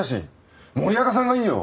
森若さんがいいよ。